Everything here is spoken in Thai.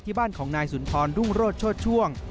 ที่บ้านของนายสุนทรอนรุ่งโรดโชดช่วง